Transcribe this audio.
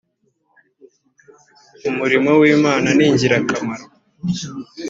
umurimo w’ imana ningirakamaro.